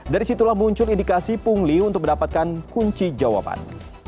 dari situlah muncul indikasi pungli untuk mendapatkan kunci jawaban